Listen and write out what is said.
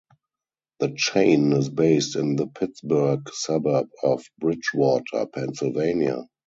The chain is based in the Pittsburgh suburb of Bridgewater, Pennsylvania.